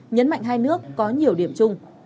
nhấn mạnh hai nước có nhiều điểm chung